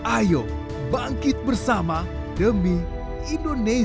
ayo bangkit bersama demi indonesia